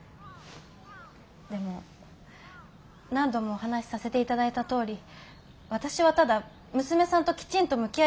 でも何度もお話しさせて頂いたとおり私はただ娘さんときちんと向き合いたくて。